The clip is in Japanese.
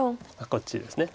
こっちですね。